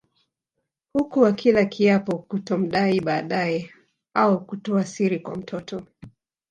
Huku akila kiapo kutomdai baadae au kutoa siri kwa mtoto